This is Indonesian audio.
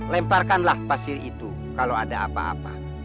lemparkanlah pasir itu kalau ada apa apa